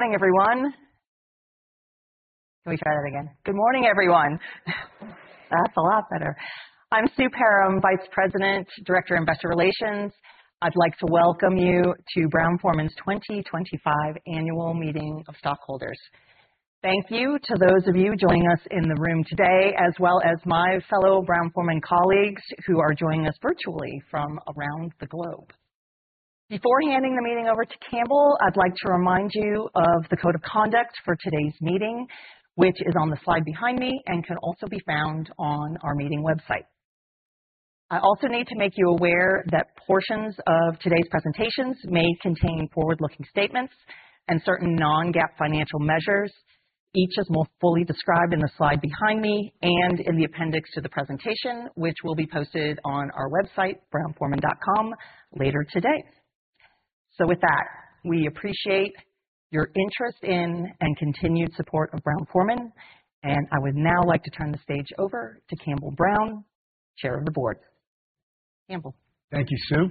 Good morning, everyone. Can we try that again? Good morning, everyone. That's a lot better. I'm Sue Perram, Vice President, Director of Investor Relations. I'd like to welcome you to Brown-Forman's 2025 Annual Meeting of Stockholders. Thank you to those of you joining us in the room today, as well as my fellow Brown-Forman colleagues who are joining us virtually from around the globe. Before handing the meeting over to Campbell, I'd like to remind you of the code of conduct for today's meeting which is on the slide behind me and can also be found on our meeting website. I also need to make you aware that portions of today's presentations may contain forward-looking statements and certain non-GAAP financial measures. Each is more fully described in the slide behind me and in the appendix to the presentation which will be posted on our website, brown-forman.com later today. With that, we appreciate your interest in and continued support of Brown-Forman. I would now like to turn the stage over to Campbell Brown, Chair of the Board. Campbell. Thank you, Sue.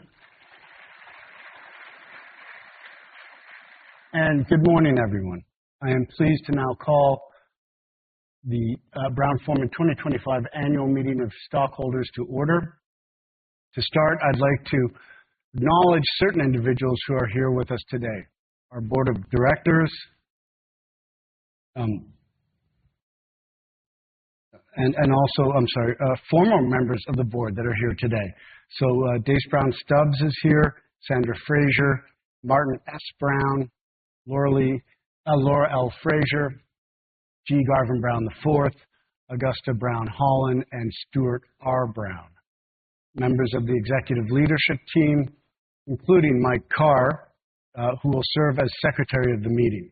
Good morning everyone. I am pleased to now call the Brown-Forman 2025 Annual Meeting of Stockholders to order. To start, I'd like to acknowledge certain individuals who are here with us today. Our board of directors. I'm sorry, former members of the board that are here today. So Dace Brown Stubbs is here. Sandra Frazier, Martin S. Brown, Laura L. Frazier, G. Garvin Brown IV, Augusta Brown Holland, and Stuart R. Brown. Members of the executive leadership team, including Mike Carr, who will serve as secretary of the meeting.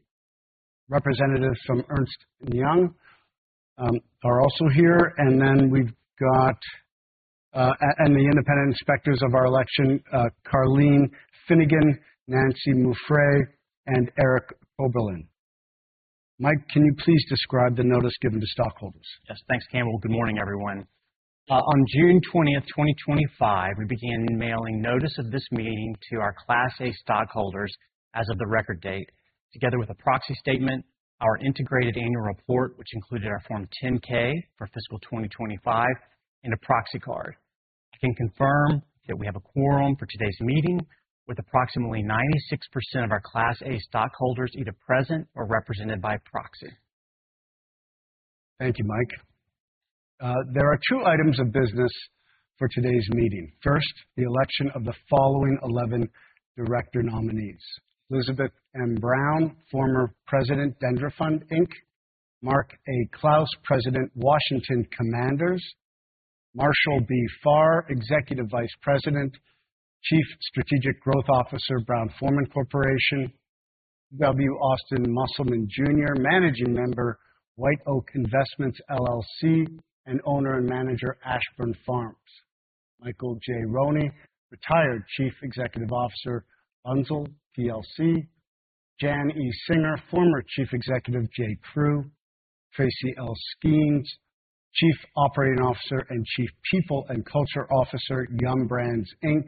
Representatives from Ernst & Young are also here. We have the independent inspectors of our election, Karleen Finnegan, Nancy Muffrey, and Eric Koeberlein. Mike, can you please describe the notice given to stockholders? Yes. Thanks, Campbell. Good morning everyone. On June 20, 2025, we began mailing notice of this meeting to our Class A stockholders as of the record date, together with a proxy statement, our integrated annual report which included our Form 10-K for fiscal 2025, and a proxy card. I can confirm that we have a quorum for today's meeting, with approximately 96% of our Class A stockholders either present or represented by proxy. Thank you, Mike. There are two items of business for today's meeting. First, the election of the following 11 director nominees. Elizabeth M. Brown, former President, Dendrifund, Inc. Mark A. Clouse, President, Washington Commanders. Marshall B. Farrer, Executive Vice President, Chief Strategic Growth Officer, Brown-Forman Corporation. W. Austin Musselman Jr., Managing Member, White Oak Investments LLC, and Owner and Manager, Ashbourne Farms. Michael J. Roney, retired Chief Executive Officer, Bunzl plc. Jan E. Singer, former Chief Executive, J.Crew. Tracy L. Skeans, Chief Operating Officer and Chief People & Culture Officer, Yum! Brands, Inc.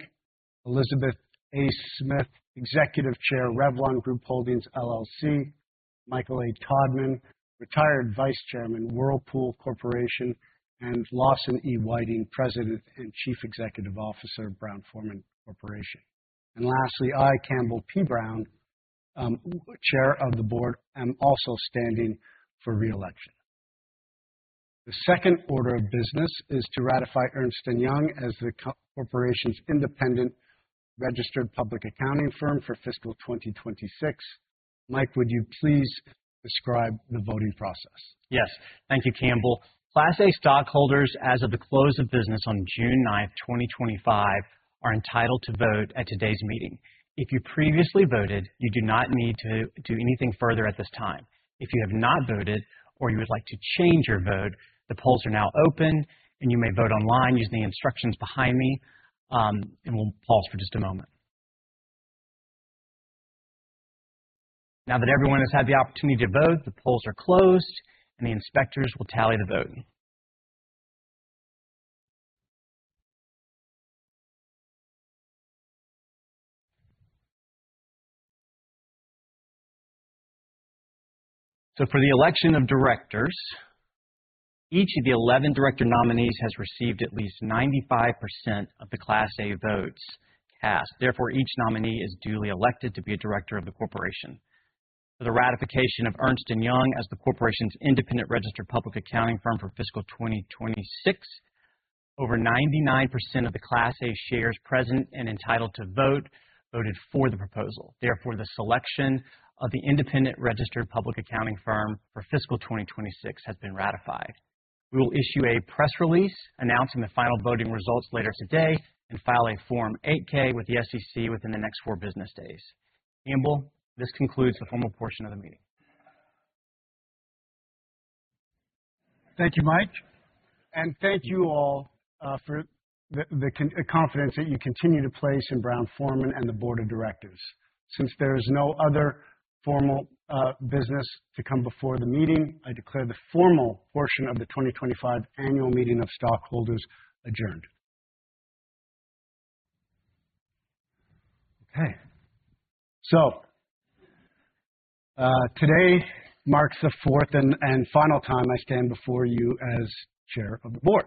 Elizabeth A. Smith, Executive Chair, Revlon Group Holdings LLC. Michael A. Todman, retired Vice Chairman, Whirlpool Corporation. Lawson E. Whiting, President and Chief Executive Officer, Brown-Forman Corporation. Lastly, I, Campbell P. Brown, Chair of the Board, am also standing for reelection. The second order of business is to ratify Ernst & Young as the corporation's independent registered public accounting firm for fiscal 2026. Mike, would you please describe the voting process? Yes. Thank you, Campbell. Class A stockholders, as of the close of business on June 9th, 2025, are entitled to vote at today's meeting. If you previously voted, you do not need to do anything further at this time. If you have not voted or you would like to change your vote, the polls are now open and you may vote online using the instructions behind me. We'll pause for just a moment. Now that everyone has had the opportunity to vote, the polls are closed and the inspectors will tally the vote. For the election of directors, each of the 11 director nominees has received at least 95% of the Class A votes cast. Therefore, each nominee is duly elected to be a Director of the corporation. For the ratification of Ernst & Young as the corporation's independent registered public accounting firm for fiscal 2026. Over 99% of the Class A shares present and entitled to vote voted for the proposal. Therefore, the selection of the independent registered public accounting firm for fiscal 2026 has been ratified. We will issue a press release announcing the final voting results later today and file a Form 8-K with the SEC within the next 4 business days. Amble. This concludes the formal portion of the meeting. Thank you, Mike. Thank you all for the confidence that you continue to place in Brown-Forman and the Board of Directors. Since there is no other formal business to come before the meeting, I declare the formal portion of the 2025 Annual Meeting of Stockholders adjourned. Okay, today marks the fourth and final time I stand before you as Chair of the Board.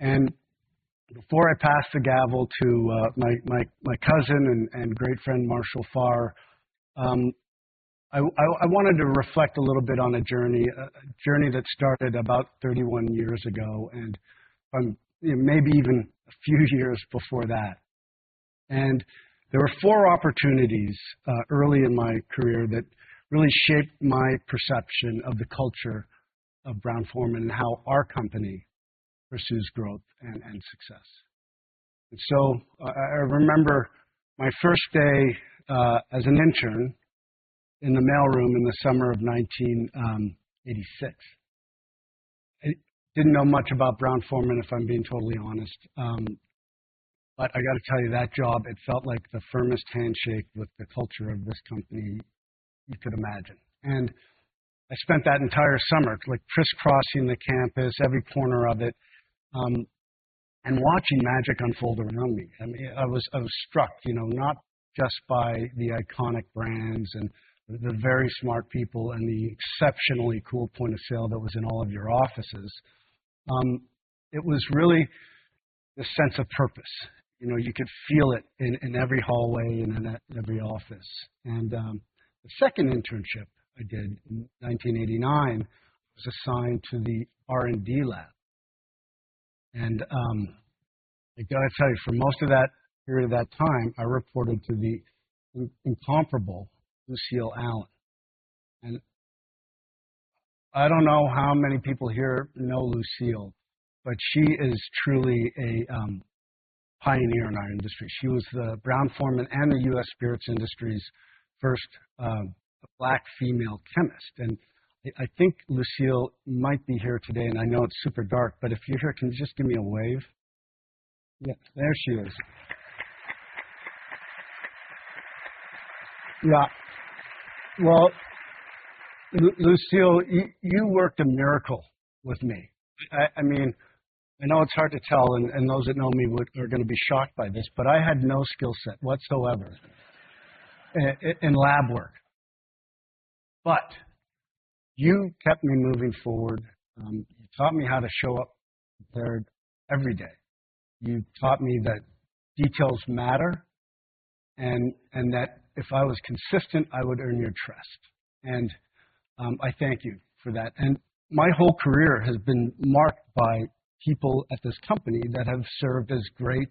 Before I pass the gavel to my cousin and great friend, Marshall Farrer, I wanted to reflect a little bit on a journey. A journey that started about 31 years ago and maybe even a few years before that. There were four opportunities early in my career that really shaped my perception of the culture of Brown-Forman and how our company pursues growth and success. I remember my first day as an intern in the mailroom in the summer of 1986. Didn't know much about Brown-Forman, if I'm being totally honest. I got to tell you, that job, it felt like the firmest handshake with the culture of this company you could imagine. I spent that entire summer crisscrossing the campus, every corner of it, and watching magic unfold around me. I was struck, you know, not just by the iconic brands and the very smart people and the exceptionally cool point of sale that was in all of your offices. It was really the sense of purpose. You know, you could feel it in every hallway and every office. The second internship I did in 1989 was assigned to the R&D Lab. I gotta tell you, for most of that period of that time, I reported to the incomparable Lucille Allen. I don't know how many people here know Lucille, but she is truly a pioneer in our industry. She was the Brown-Forman and the U.S. spirits industry's first Black female chemist. I think Lucille might be here today. I know it's super dark, but if you're here, can you just give me a wave? There she is. Yeah. Lucille, you worked a miracle with me. I mean, I know it's hard to tell, and those that know me are going to be shocked by this, but I had no skill set whatsoever in lab work. You kept me moving forward. You taught me how to show up every day. You taught me that details matter and that if I was consistent, I would earn your trust. I thank you for that. My whole career has been marked by people at this company that have served as great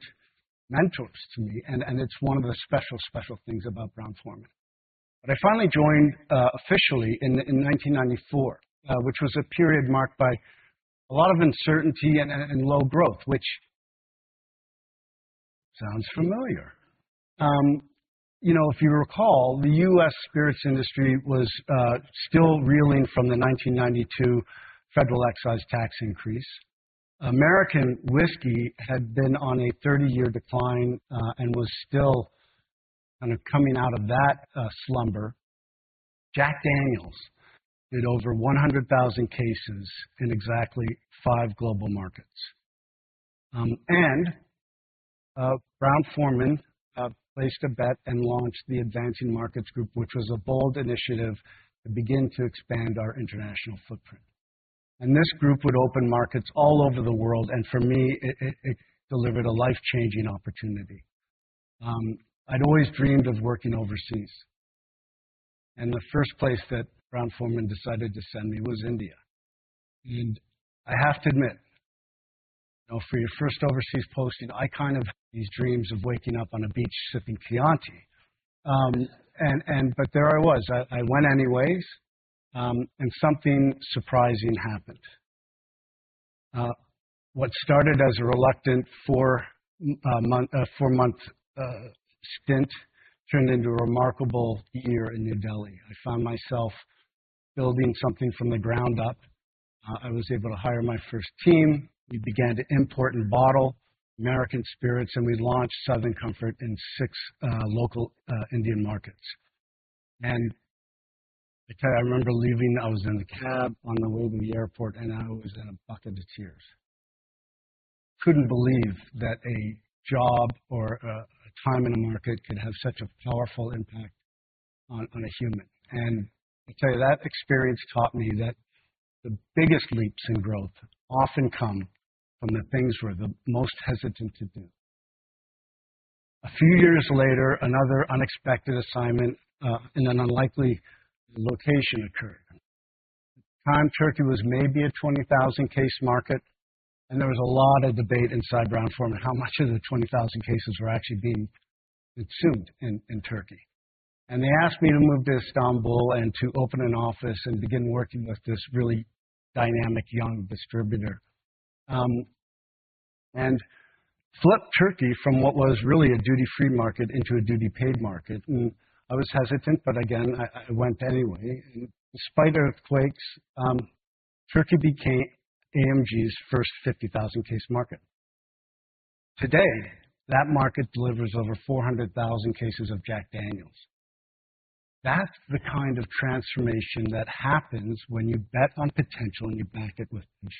mentors to me. It's one of the special, special things about Brown-Forman. I finally joined officially in 1994, which was a period marked by a lot of uncertainty and low growth, which sounds familiar. You know, if you recall, the U.S. spirits industry was still reeling from the 1992 federal excise tax increase. American whiskey had been on a 30-year decline and was still kind of coming out of that slumber. Jack Daniel's did over 100,000 cases in exactly five global markets. Brown-Forman placed a bet and launched the Advancing Markets Group, which was a bold initiative to begin to expand our international footprint. This group would open markets all over the world. For me, it delivered a life changing opportunity. I'd always dreamed of working overseas, and the first place that Brown-Forman decided to send me was India. I have to admit, for your first overseas posting, I kind of had these dreams of waking up on a beach sipping Chianti. There I was. I went anyways and something surprising happened. What started as a reluctant four-month stint turned into a remarkable year in New Delhi. I found myself building something from the ground up. I was able to hire my first team. We began to import and bottle American spirits and we launched Southern Comfort in six local Indian markets. I remember leaving, I was in the cab on the way to the airport and I was in a bucket of tears. I could not believe that a job or a time in the market could have such a powerful impact. I will tell you that experience taught me that the biggest leaps in growth often come from the things we're the most hesitant to do. A few years later, another unexpected assignment in an unlikely location occurred. At the time, Turkey was maybe a 20,000 case market. There was a lot of debate inside Brown-Forman on how much of the 20,000 cases were actually being consumed in Turkey. They asked me to move to Istanbul and to open an office and begin working with this really dynamic young distributor. Flipped Turkey from what was really a duty-free market into a duty-paid market. I was hesitant, but again I went anyway. Despite earthquakes, Turkey became AMG's first 50,000 case market. Today that market delivers over 400,000 cases of Jack Daniel's. That's the kind of transformation that happens when you bet on potential and you back it with patience.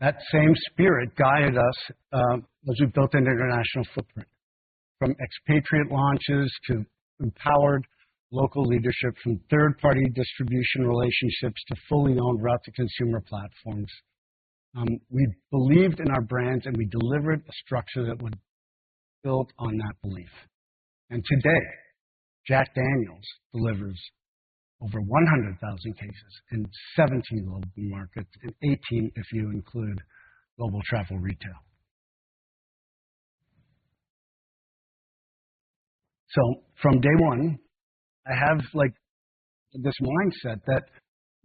That same spirit guided us as we built an international footprint from expatriate launches to empowered local leadership, from third party distribution relationships to fully-owned route to consumer platforms. We believed in our brands and we delivered a structure that would build on that belief. Today Jack Daniel's delivers over 100,000 cases in 17 global markets and 18 if you include Global Travel Retail. From day one I have like this mindset that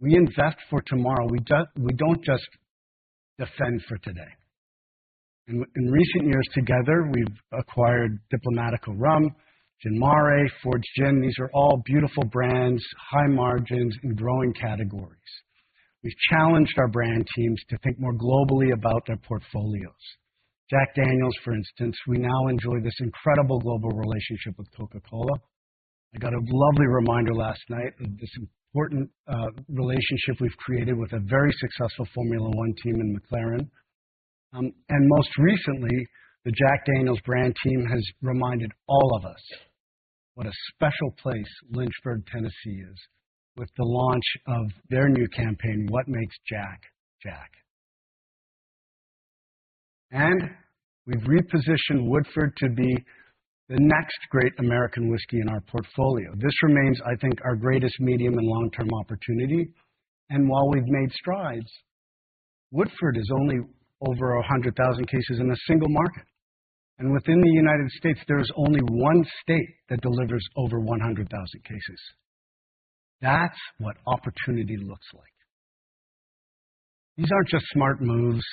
we invest for tomorrow, we do not just defend for today. In recent years together we've acquired Diplomático rum, Gin Mare, Fords Gin. These are all beautiful brands. High margins and growing categories. We've challenged our brand teams to think more globally about their portfolios. Jack Daniel's, for instance, we now enjoy this incredible global relationship with Coca-Cola. I got a lovely reminder last night of this important relationship we've created with a very successful Formula One team in McLaren. Most recently the Jack Daniel's brand team has reminded all of us what a special place Lynchburg, Tennessee is with the launch of their new campaign What Makes Jack Jack? And we've repositioned Woodford to be the next great American whiskey in our portfolio. This remains, I think, our greatest medium and long-term opportunity. While we've made strides, Woodford is only over 100,000 cases in a single market. Within the United States, there is only one state that delivers over 100,000 cases. That's what opportunity looks like. These aren't just smart moves.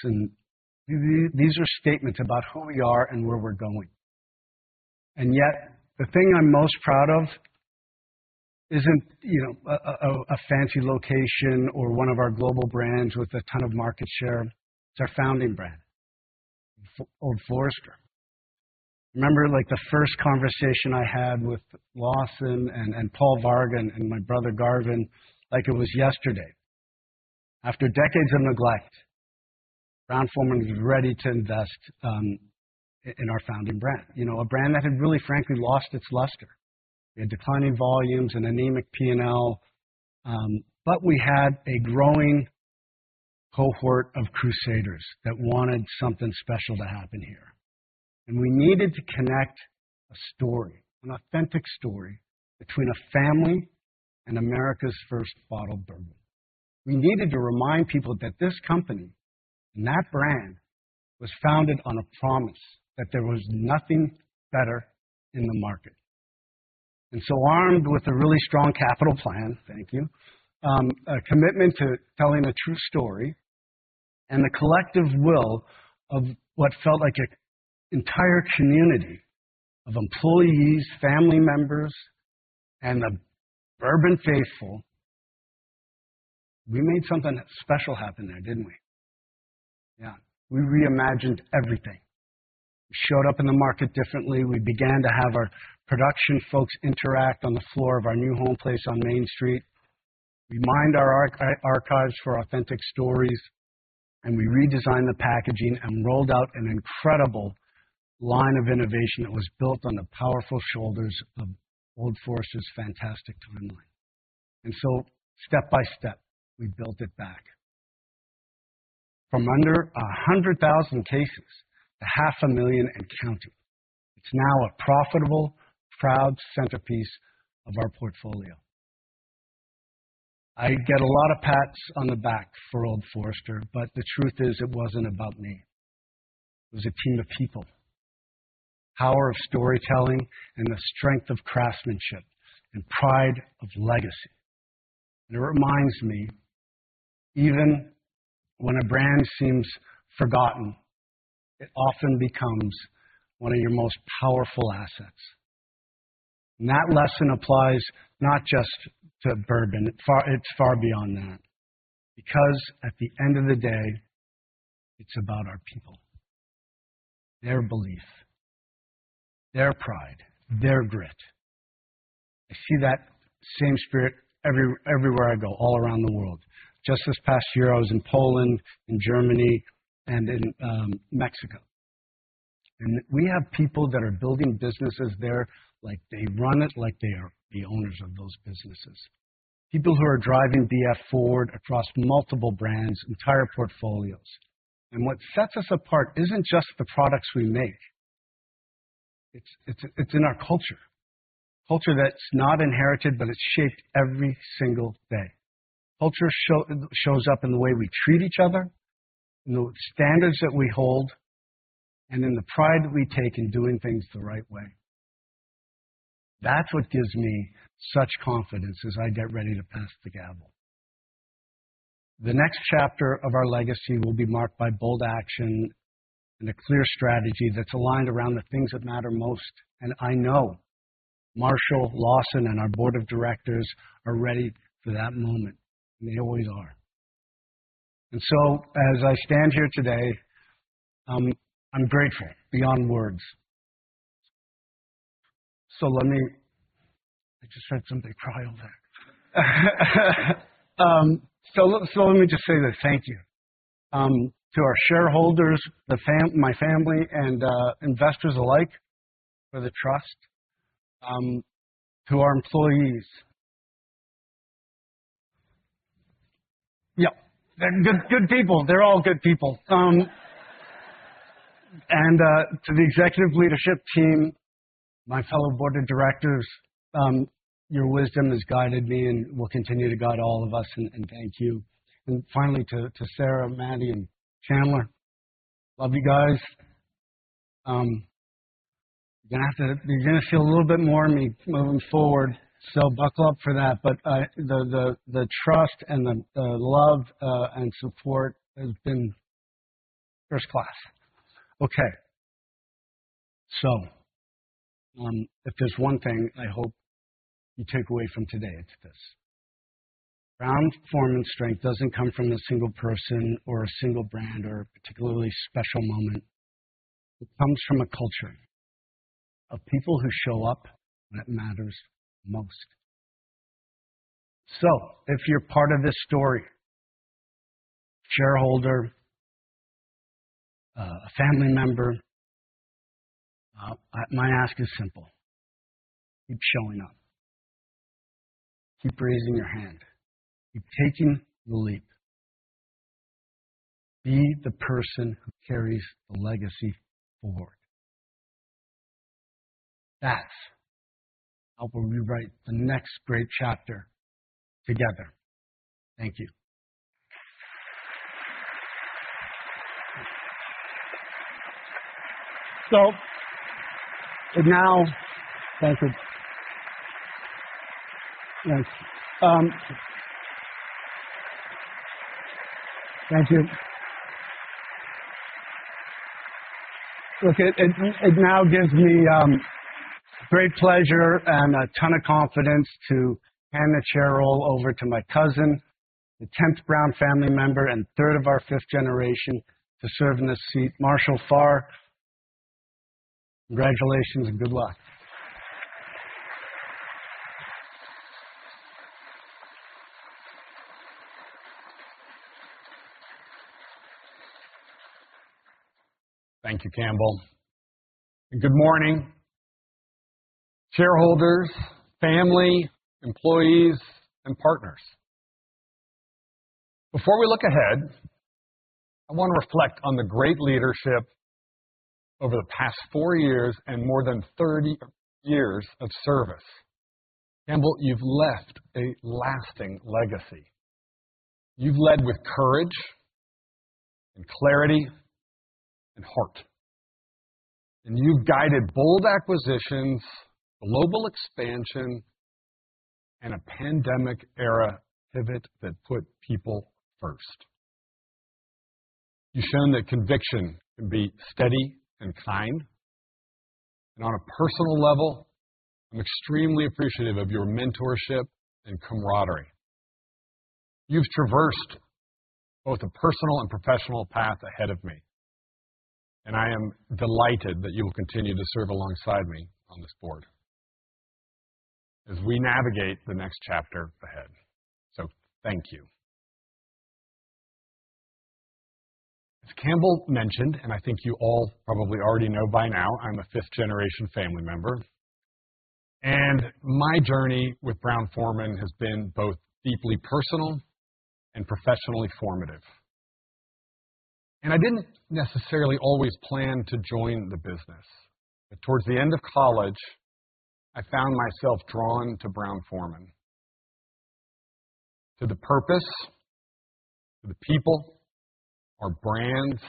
These are statements about who we are and where we're going. Yet the thing I'm most proud of isn't a fancy location or one of our global brands with a ton of market share. It's our founding brand, Old Forester. Remember the first conversation I had with Lawson and Paul Varga and my brother Garvin like it was yesterday. After decades of neglect, Brown-Forman was ready to invest in our founding brand. You know, a brand that had really frankly, lost its luster. We had declining volumes and anemic P&L, but we had a growing cohort of crusaders that wanted something special to happen here. We needed to connect a story, authentic story, between a family and America's first bottled bourbon. We needed to remind people that this company and that brand was founded on a promise that there was nothing better in the market. Armed with a really strong capital plan. Thank you. A commitment to telling a true story. The collective will of what felt like an entire community of employees, family members, and the bourbon faithful. We made something special happen there, didn't we? Yeah, we reimagined everything, showed up in the market differently. We began to have our production folks interact on the floor of our new homeplace on Main Street. We mined our archives for authentic stories, and we redesigned the packaging and rolled out an incredible line of innovation that was built on the powerful shoulders of Old Forester's fantastic timeline. And so, step by step, we built it back from under 100,000 cases to 500,000 cases and counting. It's now a profitable, proud centerpiece of our portfolio. I get a lot of pats on the back for Old Forester, but the truth is it wasn't about me. It was a team of people. Power of storytelling and the strength of craftsmanship and pride of legacy. It reminds me even when a brand seems forgotten, it often becomes one of your most powerful assets. That lesson applies not just to bourbon. It's far beyond that. Because at the end of the day, it's about our people. Their belief, their pride, their grit. I see that same spirit everywhere I go, all around the world. Just this past year, I was in Poland, in Germany, and in Mexico. We have people that are building businesses there like they run it like they are the owners of those businesses. People who are driving BF forward across multiple brands, entire portfolios. What sets us apart is not just the products we make. It's in our culture. Culture that's not inherited, but it's shaped every single day. Culture shows up in the way we treat each other, the standards that we hold, and in the pride that we take in doing things the right way. That's what gives me such confidence as I get ready to pass the gavel. The next chapter of our legacy will be marked by bold action and a clear strategy that's aligned around the things that matter most. I know Marshall, Lawson, and our Board of directors are ready for that moment, and they always are. As I stand here today, I'm grateful beyond words. Let me. I just heard something cry over there. Let me just say thank you to our shareholders, my family, and investors alike, for the trust. To our employees. Yeah, good people. They're all good people. To the executive leadership team, my fellow board of directors, your wisdom has guided me and will continue to guide all of us. Thank you. Finally, to Sarah, Maddie, and Chandler. Love you guys. You're going to feel a little bit more of me moving forward, so buckle up for that. The trust and the love and support has been first class. Okay? If there's one thing I hope you take away from today, it's this. Brown-Forman's strength doesn't come from a single person or a single brand or a particularly special moment. It comes from a culture of people who show up when it matters most. If you're part of this story, shareholder, a family member, my ask is simple. Keep showing up, keep raising your hand. Keep taking the leap. Be the person who carries the legacy forward. That's how we'll rewrite the next great chapter together. Thank you. Now. Thanks. Thank you. It now gives me great pleasure and a ton of confidence to hand the Chair role over to my cousin, the 10th Brown family member and third of our fifth generation to serve in the seat, Marshall Farrer. Congratulations and good luck. Thank you, Campbell. Good morning, shareholders, family, employees, and partners. Before we look ahead, I want to reflect on the great leadership over the past four years and more than 30 years of service. Campbell, you've left a lasting legacy. You've led with courage and clarity and heart. You've guided bold acquisitions, global expansion, and a pandemic era pivot that put people first. You've shown that conviction can be steady and kind. On a personal level, I'm extremely appreciative of your mentorship and camaraderie. You've traversed both a personal and professional path ahead of me and I am delighted that you will continue to serve alongside me on this Board as we navigate the next chapter ahead. Thank you. As Campbell mentioned, and I think you all probably already know by now, I'm a fifth generation family member and my journey with Brown-Forman has been both deeply personal and professionally formative. I didn't necessarily always plan to join the business. Towards the end of college I found myself drawn to Brown-Forman, to the purpose, to the people, our brands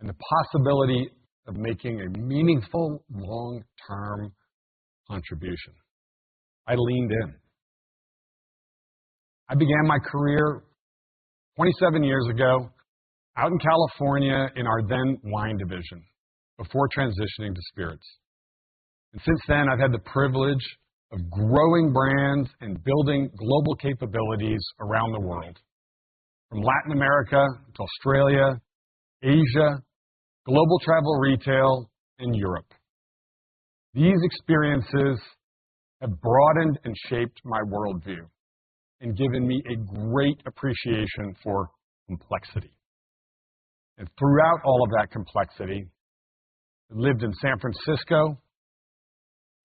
and the possibility of making a meaningful long-term contribution. I leaned in. I began my career 27 years ago. Out in California in our then wine division before transitioning to spirits. Since then I've had the privilege of growing brands and building global capabilities around the world. From Latin America to Australia, Asia, Global Travel Retail, and Europe. These experiences have broadened and shaped my worldview and given me a great appreciation for complexity. Throughout all of that complexity, lived in San Francisco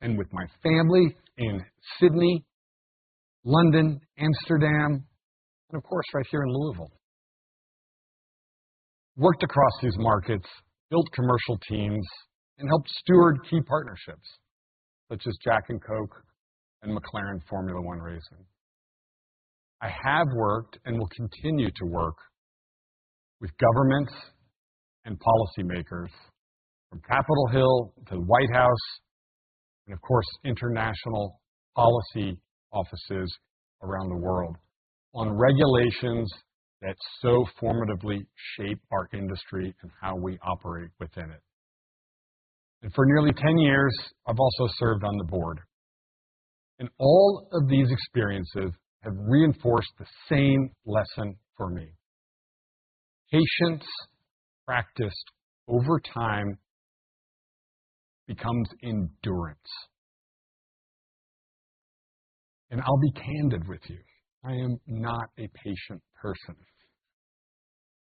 and with my family in Sydney, London, Amsterdam and of course right here in Louisville. Worked across these markets, built commercial teams and helped steward key partnerships such as Jack and Coke and McLaren Formula One Racing. I have worked and will continue to work with governments and policymakers from Capitol Hill to the White House and of course international policy offices around the world on regulations that so formatively shape our industry and how we operate within it. For nearly 10 years, I've also served on the Board and all of these experiences have reinforced the same lesson for me. Patience practiced over time becomes endurance. I'll be candid with you. I am not a patient person.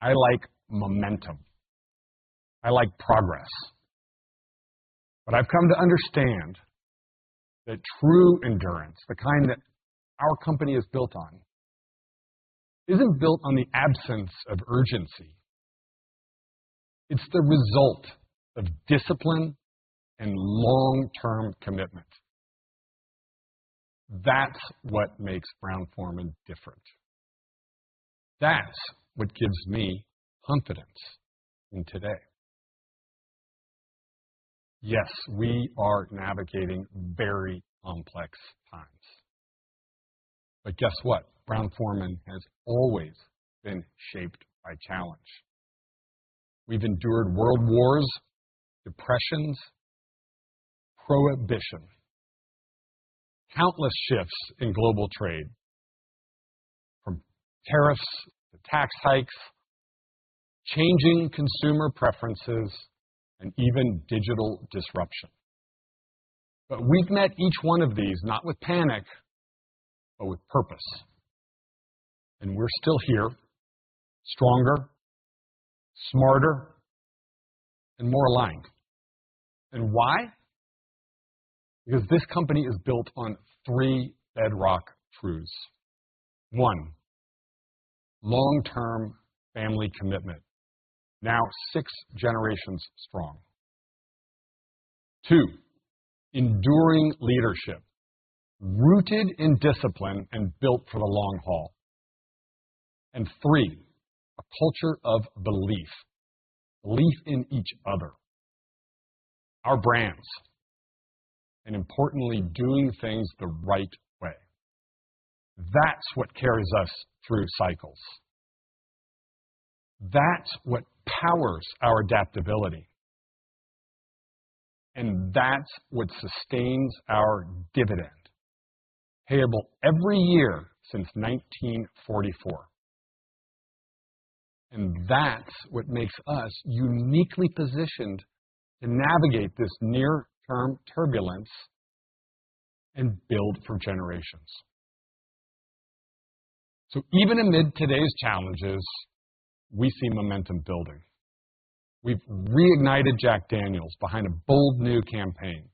I like momentum. I like progress. I've come to understand that true endurance, the kind that our company is built on, isn't built on the absence of urgency. It's the result of discipline and long-term commitment. That's what makes Brown-Forman different. That's what gives me confidence in today. Yes, we are navigating very complex times. Guess what? Brown-Forman has always been shaped by challenge. We've endured world wars, depressions, prohibition. Countless shifts in global trade, from tariffs to tax hikes, changing consumer preferences and even digital disruption. We have met each one of these, not with panic, but with purpose. We're still here, stronger, smarter and more aligned. Why? Because this company is built on three bedrock truths. One, long-term family commitment, now six generations strong. Two, enduring leadership rooted in discipline and built for the long haul. Three, a culture of belief. Belief in each other, our brands, and importantly, doing things the right way. That's what carries us through cycles. That's what powers our adaptability. That's what sustains our dividend payable every year since 1944. That is what makes us uniquely positioned to navigate this near-term turbulence and build for generations. Even amid today's challenges, we see momentum building. We've reignited Jack Daniel's behind a bold new campaign.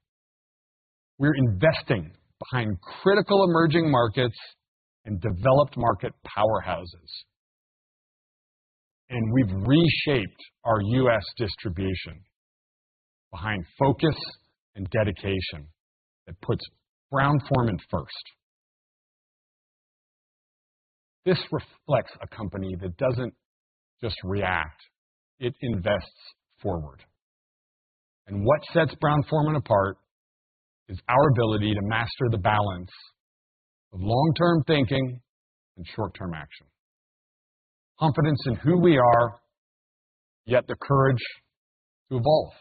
We're investing behind critical emerging markets and developed market powerhouses. We've reshaped our U.S. distribution behind focus and dedication that puts Brown-Forman first. This reflects a company that doesn't just react, it invests forward. What sets Brown-Forman apart is our ability to master the balance of long-term thinking and short-term action. Confidence in who we are, yet the courage to evolve.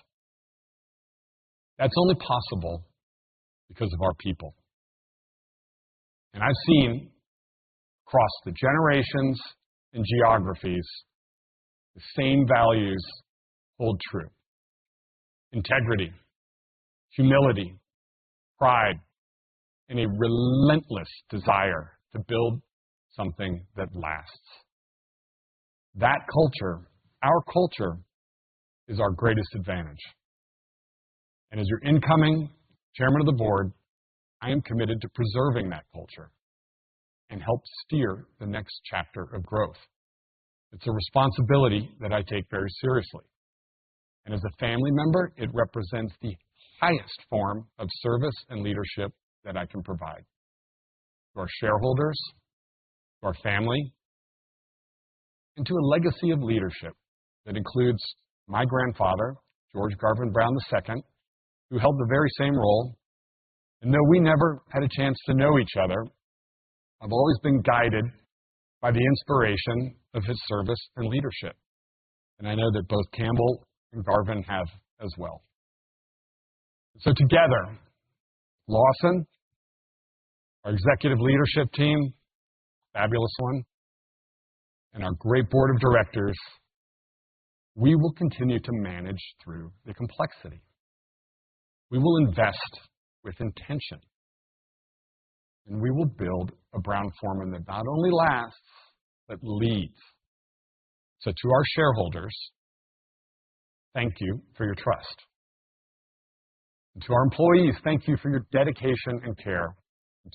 That's only possible because of our people. I've seen across the generations and geographies, the same values hold true. Integrity, humility, pride, and a relentless desire to build something that lasts. That culture, our culture, is our greatest advantage. As your incoming Chairman of the Board, I am committed to preserving that culture and help steer the next chapter of growth. It's a responsibility that I take very seriously. As a family member, it represents the highest form of service and leadership. That I can provide to our shareholders, our family, and to a legacy of leadership that includes my grandfather, George Garvin Brown II, who held the very same role. Though we never had a chance to know each other, I've always been guided by the inspiration of his service and leadership. I know that both Campbell and Garvin have as well. Together, Lawson, our executive leadership team, fabulous one. And our great Board of Directors, we will continue to manage through the complexity. We will invest with intention and we will build a Brown-Forman that not only lasts, but leads. To our shareholders, thank you for your trust. To our employees, thank you for your dedication and care.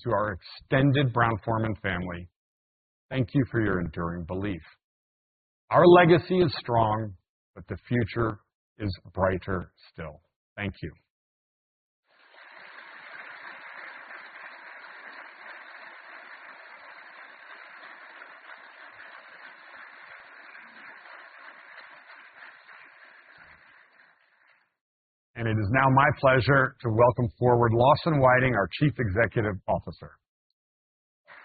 To our extended Brown-Forman family, thank you for your enduring belief. Our legacy is strong, but the future is brighter still. Thank you. It is now my pleasure to welcome forward Lawson Whiting, our Chief Executive Officer.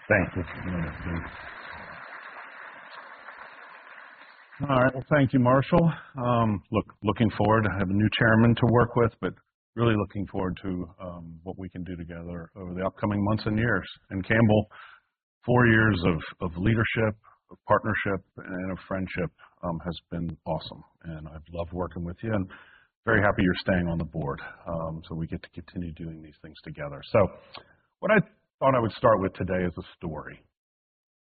Thank you for doing it. All right, thank you, Marshall. Look, looking forward. I have a new Chairman to work with, but really looking forward to what we can do together over the upcoming months and years. And Campbell, four years of leadership, of partnership and of friendship has been awesome. I've loved working with you. Very happy you're staying on the board. We get to continue doing these things together. What I thought I would start with today is a story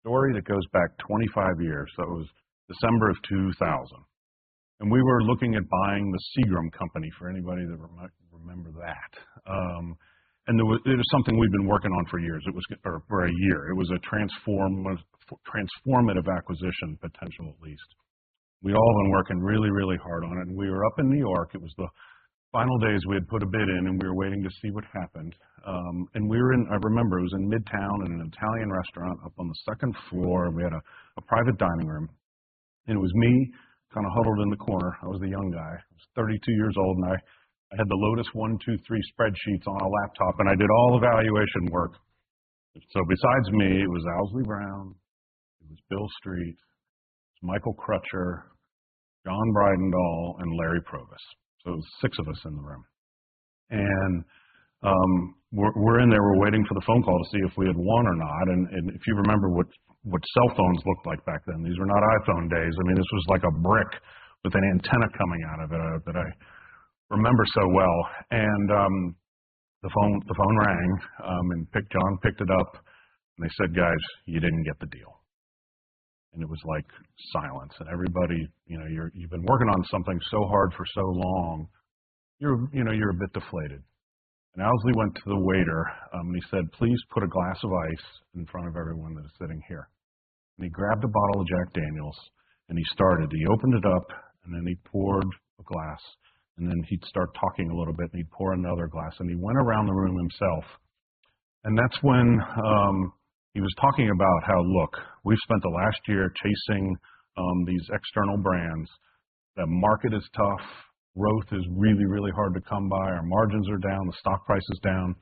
that goes back 25 years. That was December of 2000, and we were looking at buying the Seagram company for anybody that might remember that. It was something we'd been working on for years or a year. It was a transformative acquisition potential at least. We all been working really, really hard on it. We were up in New York, it was the final days. We had put a bid in. We were waiting to see what happened. We were in. I remember it was in midtown, in an Italian restaurant up on the second floor. We had a private dining room and it was me kind of huddled in the corner. I was the young guy, I was 32 years old and I had the Lotus 1-2-3 spreadsheets on a laptop. I did all evaluation work. So besides me, it was Owsley Brown. It was Bill Street, Michael Crutcher, John Bridendal and Larry Probus. Six of us in the room. We're in there, we're waiting for the phone call to see if we had won or not. If you remember what cell phones looked like back then, these were not iPhone days. I mean, this was like a brick with an antenna coming out of it that I remember so well. The phone rang and John picked it up and they said, guys, you didn't get the deal. It was like silence. Everybody, you know, you've been working on something so hard for so long, you know, you're a bit deflated. Owsley went to the waiter and. He said, please put a glass of ice in front of everyone that is sitting here. He grabbed a bottle of Jack Daniel's. He started, he opened it up and then he poured a glass. He'd start talking a little bit and he'd pour another glass and he went around the room himself and that's when he was talking about how, look, we've spent the last year chasing these external brands. The market is tough, growth is really really hard to come by. Our margins are down, the stock price is down.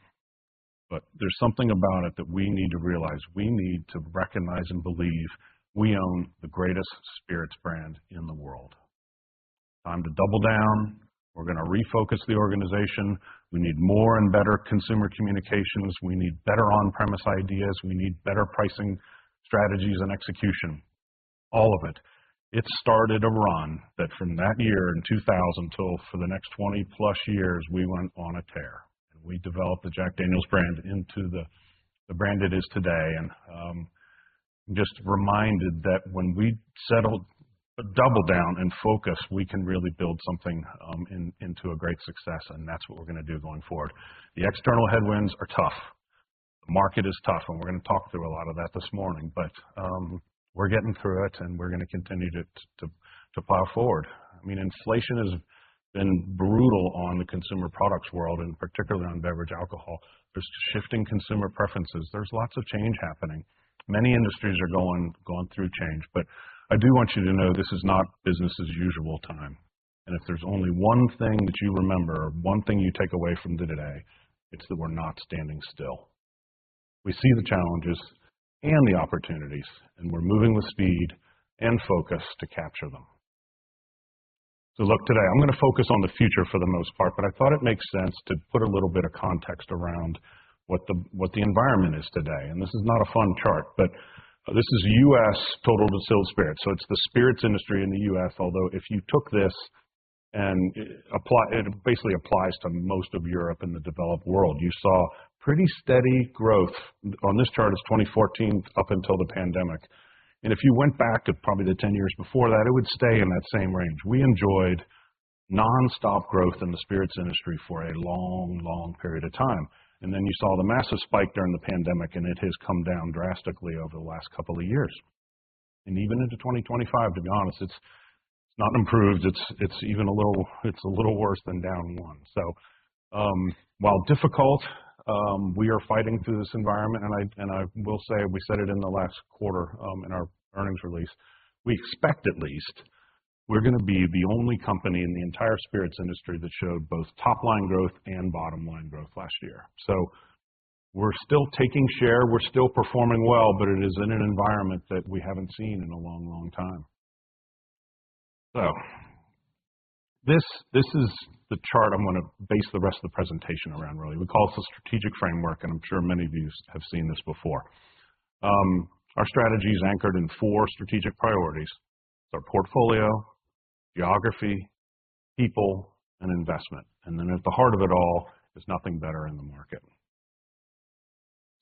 There is something about it that we need to realize. We need to recognize and believe we own the greatest spirits brand in the world. Time to double down. We're going to refocus the organization. We need more and better consumer communications. We need better on-premise ideas. We need better pricing strategies and execution, all of it. It started around that from that year in 2000 until for the next 20+ years, we went on a tear. We developed the Jack Daniel's brand into the brand it is today and just reminded that when we settle, double down, and focus, we can really build something into a great success. That is what we are going to do going forward. The external headwinds are tough, the market is tough, and we are going to talk through a lot of that this morning. We are getting through it and we are going to continue to plow forward. I mean, inflation has been brutal on the consumer products world and particularly on beverage alcohol. There are shifting consumer preferences, there is lots of change happening. Many industries are going through change. I do want you to know this is not business as usual time. If there's only one thing that you remember, one thing you take away from today, it's that we're not standing still. We see the challenges and the opportunities. We are moving with speed and focus to capture them. Look, today I'm going to focus on the future for the most part, but I thought it makes sense to put a little bit of context around what the environment is today. This is not a fun chart, but this is U.S. total distilled spirits. It is the spirits industry in the U.S. Although if you took this and apply, it basically applies to most of Europe and the developed world, you saw pretty steady growth on this chart. It's 2014 up until the pandemic. If you went back to probably the 10 years before that, it would stay in that same range. We enjoyed nonstop growth in the spirits industry for a long, long period of time. Then you saw the massive spike during the pandemic and it has come down drastically over the last couple of years and even into 2025, to be honest, it's not improved, it's even a little, it's a little worse than down one. While difficult, we are fighting through this environment, and I will say we said it in the last quarter in our earnings release, we expect at least we're going to be the only company in the entire spirits industry that showed both top-line growth and bottom-line growth last year. We're still taking share, we're still performing well, but it is in an environment that we haven't seen in a long, long time. This is the chart I'm going to base the rest of the presentation around. Really. We call this a strategic framework and I'm sure many of you have seen this before. Our strategy is anchored in four strategic priorities, our portfolio, geography, people, and investment. At the heart of it all is nothing better in the market.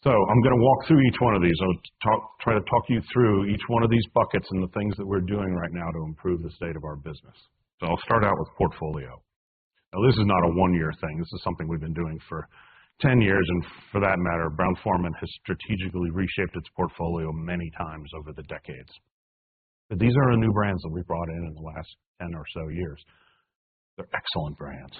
I'm going to walk through each one of these. I'll try to talk you through each one of these buckets and the things that we're doing right now to improve the state of our business. I'll start out with portfolio. Now this is not a one-year thing. This is something we've been doing for 10 years. For that matter, Brown-Forman has strategically reshaped its portfolio many times over the decades. These are the new brands that we brought in in the last 10 or so years. They're excellent brands.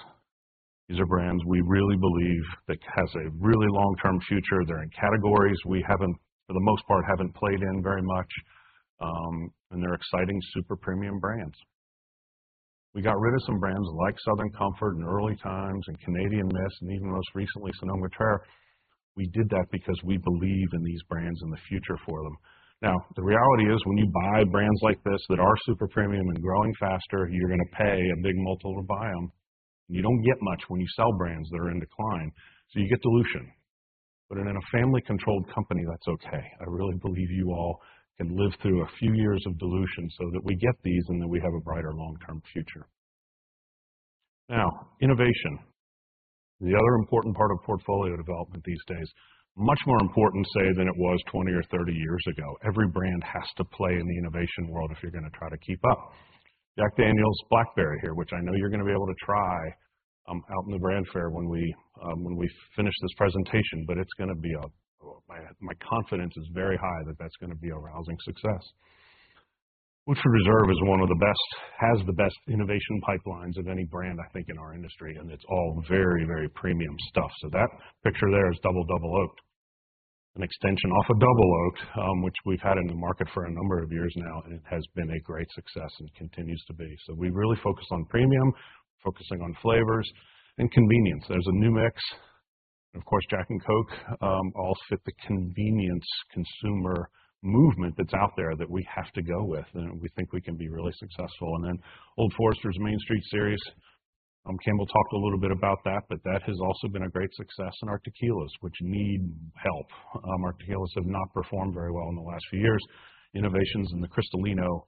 These are brands we really believe that has a really long-term future. They're in categories we haven't, for the most part, haven't played in very much. They're exciting super premium brands. We got rid of some brands like Southern Comfort, Early Times, and Canadian Mist and even most recently Sonoma-Cutrer. We did that because we believe in these brands and the future for them. Now the reality is when you buy brands like this that are super premium and growing faster, you're going to pay a big multiple to buy them. You don't get much when you sell brands that are in decline, so you get dilution. In a family-controlled company that's okay. I really believe you all can live through a few years of dilution, so that we get these and that we have a brighter long term future. Now innovation, the other important part of portfolio development these days, much more important, say than it was 20 or 30 years ago. Every brand has to play in the innovation world if you're going to try to keep up. Jack Daniel's Blackberry here, which I know you're going to be able to try out in the Grand Fair when we finish this presentation. But it's going to be, my confidence is very high that that's going to be a rousing success. Woodford Reserve is one of the best, has the best innovation pipelines of any brand I think in our industry. It is all very, very premium stuff. That picture there is Double Double Oak, an extension off of Double Oak, which we've had in the market for a number of years now. It has been a great success and continues to be. We really focus on premium, focusing on flavors and convenience. There's a new mix, of course, Jack and Coke, all fit the convenience consumer movement that's out there that we have to go with and we think we can be really successful. Old Forester's Main Street Series, Campbell talked a little bit about that. That has also been a great success in our tequilas, which need help. Our tequilas have not performed very well in the last few years. Innovations in the Cristalino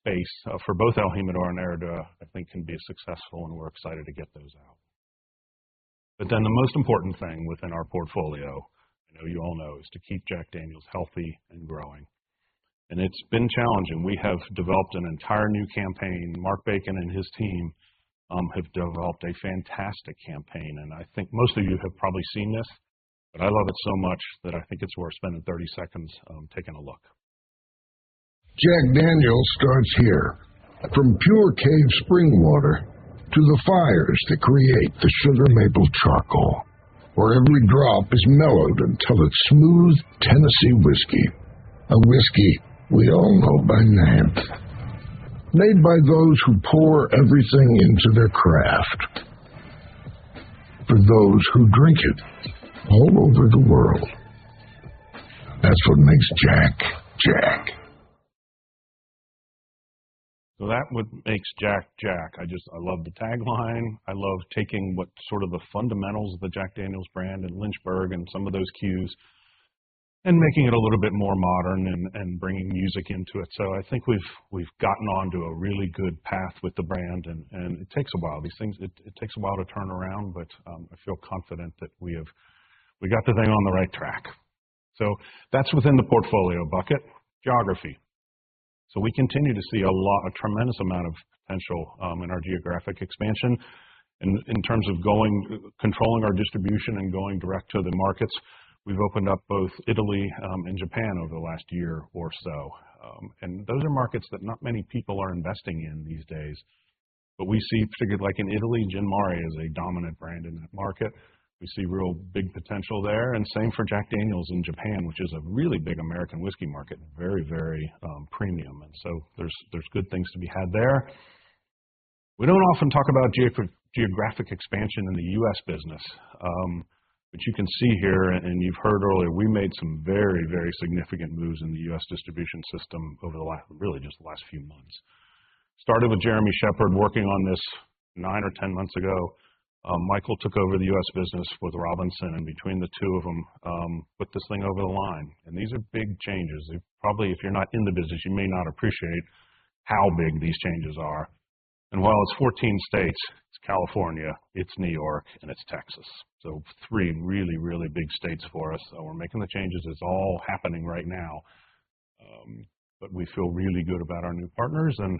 space for both, El Jimador and Herradura, I think can be successful, and we're excited to get those out. The most important thing within our portfolio, I know you all know, is to keep Jack Daniel's healthy and growing. It's been challenging. We have developed an entire new campaign. Mark Bacon and his team have developed a fantastic campaign, and I think most of you have probably seen this, but I love it so much that I think it's worth spending 30 seconds taking a look. Jack Daniel's starts here. From pure cave spring water to the fires that create the sugar maple charcoal, where every drop is mellowed until it's smooth Tennessee whiskey, a whiskey we all know by name, made by those who pour everything into their craft for those who drink it all over the world. That's what makes Jack Jack. So that what makes Jack Jack. I just. I love the tagline. I love taking what sort of the fundamentals of the Jack Daniel's brand and Lynchburg and some of those cues and making it a little bit more modern and bringing music into it. I think we've gotten onto a really good path with the brand. It takes a while, these things. It takes a while to turn around, but I feel confident that we got the thing on the right track. That's within the portfolio bucket. Geography. We continue to see a tremendous amount of potential in our geographic expansion in terms of controlling our distribution and going direct to the markets. We've opened up both Italy and Japan over the last year or so. Those are markets that not many people are investing in these days. We see, like in Italy, Gin Mare is a dominant brand in that market. We see real big potential there. Same for Jack Daniel's in Japan, which is a really big American whiskey market. Very, very premium. There are good things to be had there. We don't often talk about geographic expansion in the U.S. business, but you can see here, and you've heard earlier we made some very, very significant moves in the U.S. distribution system over really just the last few months. Started with Jeremy Shepherd working on this. Nine or ten months ago, Michael took over the U.S. business with Robinson, and between the two of them, put this thing over the line. These are big changes. Probably if you're not in the business, you may not appreciate how big these changes are. While it's 14 states, it's California, it's New York and it's Texas. Three really, really big states for us. We're making the changes. It's all happening right now. We feel really good about our new partners and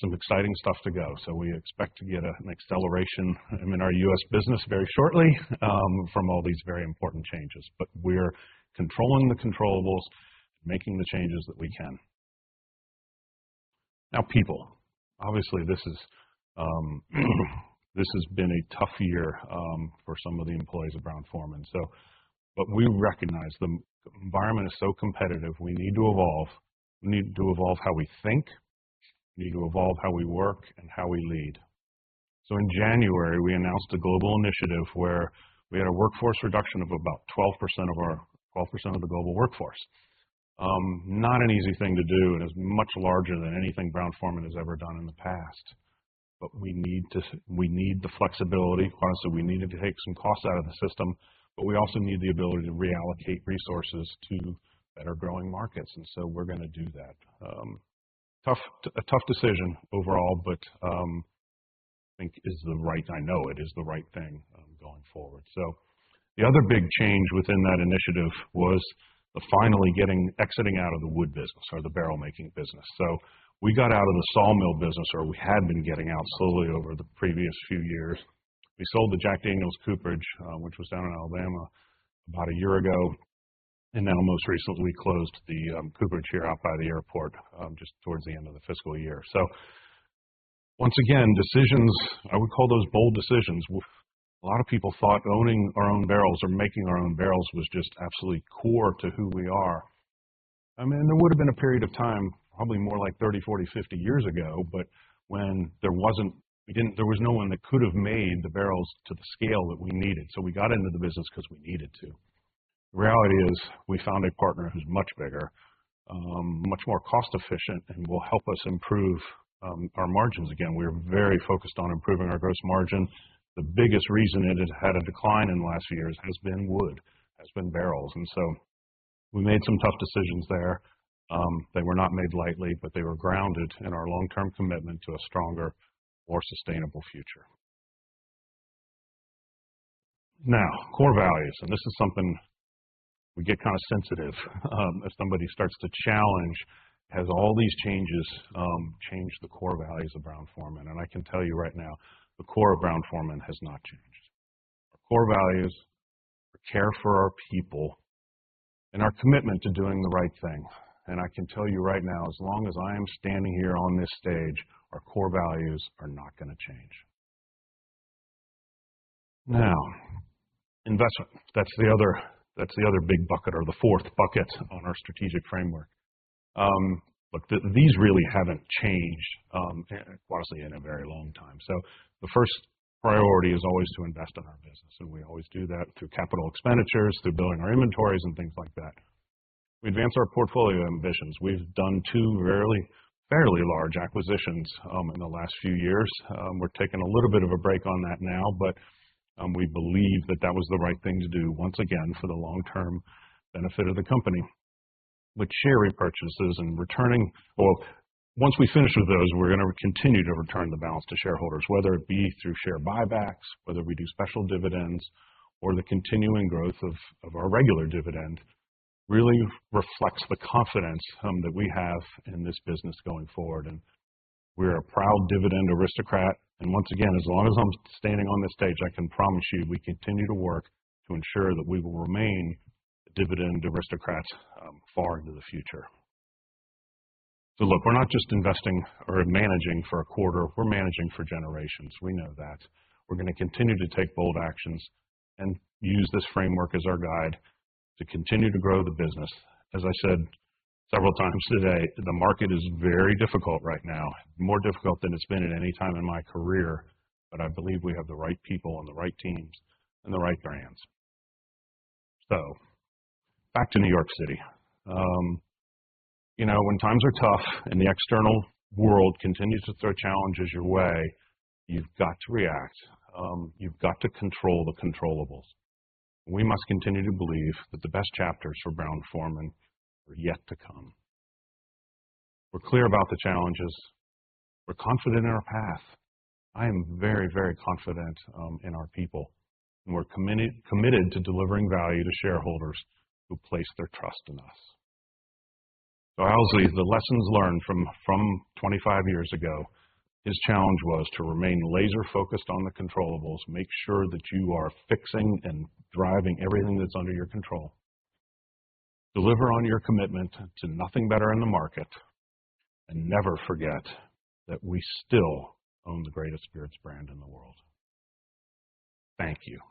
some exciting stuff to go. We expect to get an acceleration in our U.S. business very shortly from all these very important changes. We are controlling the controllables, making the changes that we can. Now people, obviously. This has been a tough year for some of the employees of Brown-Forman. We recognize the environment is so competitive. We need to evolve. We need to evolve how we think, need to evolve how we work and how we lead. In January we announced a global initiative where we had a workforce reduction of about 12% of our global workforce. Not an easy thing to do and is much larger than anything Brown-Forman has ever done in the past. We need the flexibility, honestly we needed to take some costs out of the system, but we also need the ability to reallocate resources to better growing markets. We are going to do that. A tough decision overall, but I think is the right, I know it is the right thing going forward. The other big change within that initiative was finally getting exiting out of the wood business or the barrel making business. So we got out of the sawmill business or we had been getting out slowly over the previous few years. We sold the Jack Daniel's Cooperage, which was down in Alabama about a year ago and then most recently closed the cooperage here out by the airport just towards the end of the fiscal year. Once again, decisions, I would call those bold decisions. A lot of people thought owning our own barrels or making our own barrels was just absolutely core to who we are. I mean there would have been a period of time, probably more like 30, 40, 50 years ago, but when there wasn't, there was no one that could have made the barrels to the scale that we needed. So we got into the business because we needed to. The reality is we found a partner who's much bigger, much more cost efficient and will help us improve our margins. Again, we are very focused on improving our gross margin. The biggest reason it had a decline in the last few years has been wood, has been barrels. We made some tough decisions there. They were not made lightly, but they were grounded in our long-term commitment to a stronger, more sustainable future. Now, core values, and this is something. We get kind of sensitive if somebody starts to challenge. Has all these changes changed the core values of Brown-Forman? I can tell you right now, the core of Brown-Forman has not changed. Our core values care for our people. Our commitment to doing the right thing. I can tell you right now, as long as I am standing here on this stage, our core values are not going to change. Now, investment, that's the other big bucket or the fourth bucket on our strategic framework. These really haven't changed, honestly, in a very long time. The first priority is always to invest in our business. We always do that through capital expenditures, through building our inventories and things like that. We advance our portfolio ambitions. We've done two fairly large acquisitions in the last few years. We're taking a little bit of a break on that now, but we believe that that was the right thing to do once again, for the long-term benefit of the company with share repurchases and returning. Once we finish with those, we're going to continue to return the balance to shareholders, whether it be through share buybacks, whether we do special dividends, or the continuing growth of our regular dividend. Really reflects the confidence that we have in this business going forward. We are a proud Dividend Aristocrat. As long as I'm standing on this stage, I can promise. We continue to work to ensure that we will remain Dividend Aristocrats far into the future. Look, we're not just investing or managing for a quarter. We're managing for generations. We know that. We're going to continue to take bold actions and use this framework as our guide to continue to grow the business. As I said several times today, the market is very difficult right now, more difficult than it's been at any time in my career. I believe we have the right people and the right teams and the right brands. So back to New York City. You know, when times are tough and the external world continues to throw challenges your way, you've got to react, you've got to control the controllables. We must continue to believe that the best chapters for Brown-Forman are yet to come. We're clear about the challenges. We're confident in our path. I am very, very confident in our people. We are committed to delivering value to shareholders who place their trust in us. So Owsley's, the lessons learned from 25 years ago, his challenge was to remain laser focused on the controllables. Make sure that you are fixing and driving everything that's under your control, deliver on your commitment to nothing better in the market, and never forget that we still own the greatest spirits brand in the world. Thank you.